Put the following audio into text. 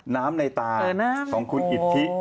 น้ำในตาของคุณอิทธิ